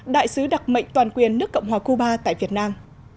đại sứ đặc mệnh toàn quyền nước cộng hòa cuba tại việt nam